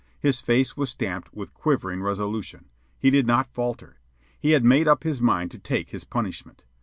His face was stamped with quivering resolution. He did not falter. He had made up his mind to take his punishment.